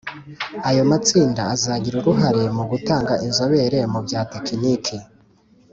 Ayo matsinda azagira uruhare mu gutanga inzobere mu bya tekiniki